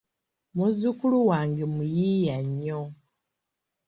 Muzukulu wange muyiiya nnyo.